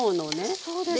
そうですか。